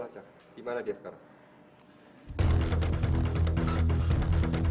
dimana dia sekarang